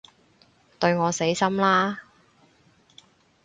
對我死心啦